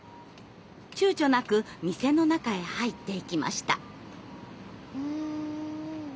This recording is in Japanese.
躊躇なく店の中へ入っていきました。